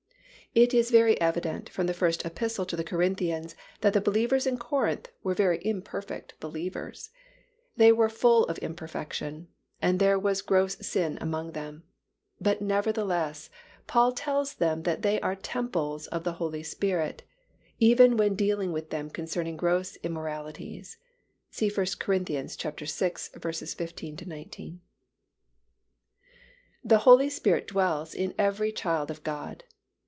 It is very evident from the First Epistle to the Corinthians that the believers in Corinth were very imperfect believers; they were full of imperfection and there was gross sin among them. But nevertheless Paul tells them that they are temples of the Holy Spirit, even when dealing with them concerning gross immoralities. (See 1 Cor. vi. 15 19.) _The Holy Spirit dwells in every child of God.